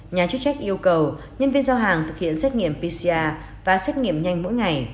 nhà chức trách yêu cầu nhân viên giao hàng thực hiện xét nghiệm pcr và xét nghiệm nhanh mỗi ngày